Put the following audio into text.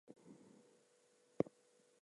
Fish, brandy, and so forth are offered to him.